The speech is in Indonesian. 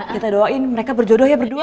kita doain mereka berjodoh ya berdua